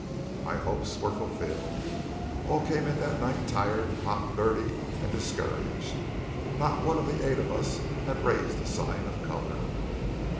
My hopes were fulfilled. All came in that night tired, hot, dirty, and discouraged. Not one of the eight of us had raised a sign of colour.